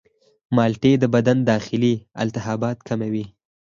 مالټې د بدن داخلي التهابات کموي.